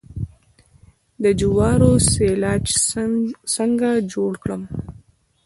د جوارو سیلاج څنګه جوړ کړم؟